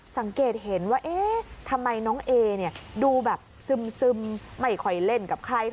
สังเกตเห็นว่าเอ๊ะทำไมน้องเอเนี่ยดูแบบซึมไม่ค่อยเล่นกับใคร